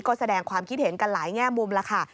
ก็แสดงความคิดเห็นกันหลายแง่มุมแล้วค่ะ